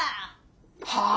はあ！？